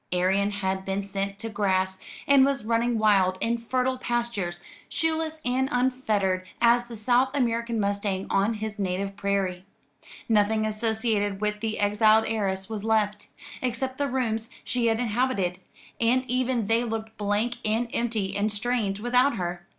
Arion had been sent to grass, and was running wild in fertile pastures, shoeless and unfettered as the South American mustang on his native prairie. Nothing associated with the exiled heiress was left, except the rooms she had inhabited; and even they looked blank and empty and strange without her.